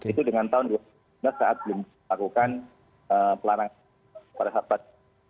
itu dengan tahun dua ribu sembilan belas saat belum dilakukan pelarangan para sahabat